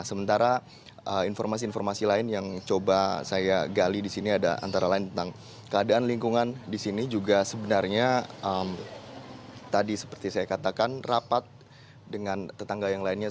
sementara informasi informasi lain yang coba saya gali di sini ada antara lain tentang keadaan lingkungan di sini juga sebenarnya tadi seperti saya katakan rapat dengan tetangga yang lainnya